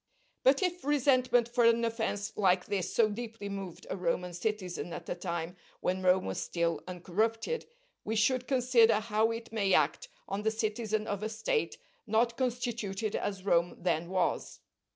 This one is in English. But if resentment for an offence like this so deeply moved a Roman citizen at a time when Rome was still uncorrupted, we should consider how it may act on the citizen of a State not constituted as Rome then was.